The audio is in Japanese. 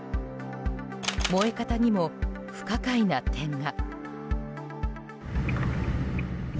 燃え方にも、不可解な点が。